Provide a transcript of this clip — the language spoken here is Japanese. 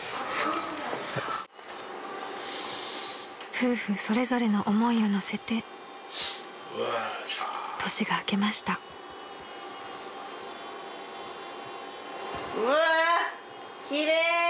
［夫婦それぞれの思いを乗せて年が明けました］わ奇麗！